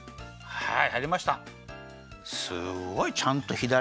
はい！